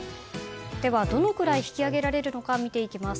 では、どのくらい引き上げられるのか見ていきます。